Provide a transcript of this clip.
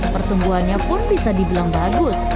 pertumbuhannya pun bisa dibilang bagus